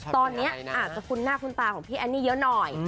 ตอนนี้อาจจะคุ้นหน้าคุ้นตาของพี่แอนนี่เยอะหน่อย